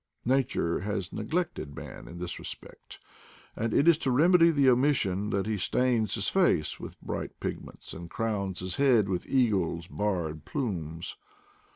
Nature has neglected man in this respect, and it is to remedy the omission that he stains his face with bright pigments and crowns his head with eagles' barred plumes.